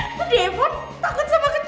apakah mereka pernah cosplay kini